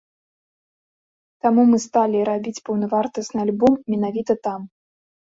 Таму мы сталі рабіць паўнавартасны альбом менавіта там.